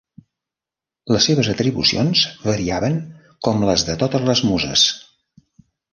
Les seves atribucions variaven, com les de totes les muses.